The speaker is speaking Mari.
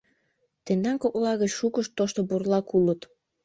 Тендан кокла гыч шукышт тошто бурлак улыт.